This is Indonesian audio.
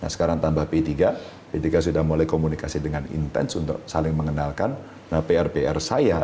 nah sekarang tambah p tiga p tiga sudah mulai komunikasi dengan intens untuk saling mengenalkan pr pr saya